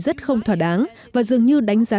rất không thỏa đáng và dường như đánh giá